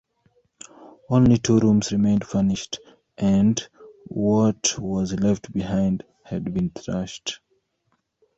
Only two rooms remained furnished, and what was left behind had been trashed.